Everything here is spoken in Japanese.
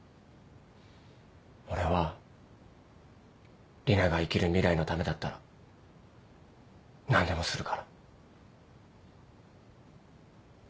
俺は里奈が生きる未来のためだったら何でもするから。